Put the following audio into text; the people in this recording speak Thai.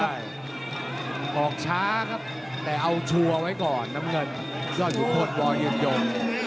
ใช่ออกช้าครับแต่เอาชัวร์ไว้ก่อนน้ำเงินยอดขุนโทษวอยืนยง